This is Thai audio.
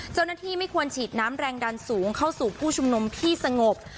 เจ้าหน้าที่ไม่ควรฉีดน้ำแรงดันสูงเข้าสู่ผู้ชุมนมที่สงบ